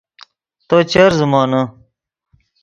تو چر زیمونے